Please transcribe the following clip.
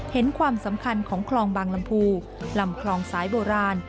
เห็นความสำคัญของคลองบางลำพูลำคลองสายโบราณ